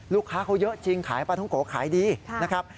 ลูกค้าเขาเยอะจริงขายปลาท้องโกะขายดีนะครับ